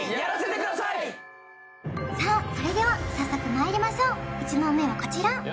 さあそれでは早速まいりましょう１問目はこちら！